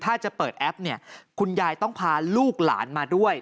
ถ้าจะเปิดแอปเนี่ยคุณยายต้องพาลูกหลานมาด้วย